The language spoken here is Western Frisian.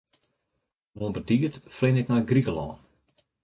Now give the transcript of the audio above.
Moarn betiid flean ik nei Grikelân.